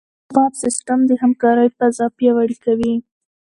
شفاف سیستم د همکارۍ فضا پیاوړې کوي.